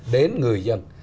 đến người dân